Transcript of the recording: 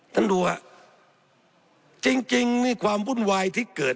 ท่านดูฮะจริงนี่ความวุ่นวายที่เกิด